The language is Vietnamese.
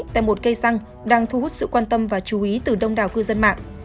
tại một cây xăng đang thu hút sự quan tâm và chú ý từ đông đảo cư dân mạng